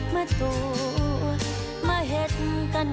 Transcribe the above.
กลับไปได๋น